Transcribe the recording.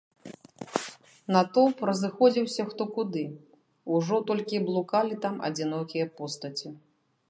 Натоўп разыходзіўся хто куды, ужо толькі блукалі там адзінокія постаці.